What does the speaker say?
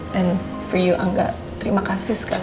dan untuk anda angga terima kasih sekali